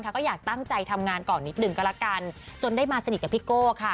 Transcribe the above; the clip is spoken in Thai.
ก็อยากตั้งใจทำงานก่อนนิดหนึ่งก็แล้วกันจนได้มาสนิทกับพี่โก้ค่ะ